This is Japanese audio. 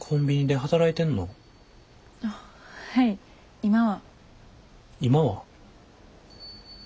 今は？